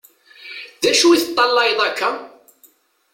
D acu i teṭallayeḍ akka?